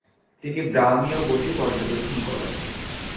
তিনি ব্রাউনীয় গতি পর্যবেক্ষণ করেন।